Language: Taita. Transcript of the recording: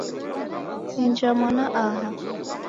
Inja mwana aha.